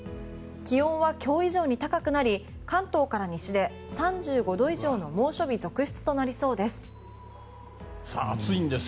気温は今日以上に高くなり関東から西で３５度以上の猛暑日続出となりそうです。